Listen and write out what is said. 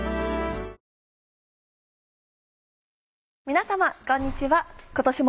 皆様こんにちは今年も。